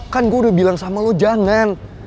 kan gue udah bilang sama lo jangan